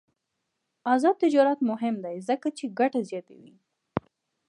آزاد تجارت مهم دی ځکه چې ګټه زیاتوي.